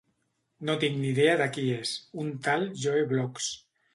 No tinc ni idea de qui és: un tal Joe Bloggs